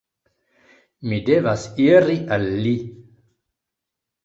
Mi devas iri al li!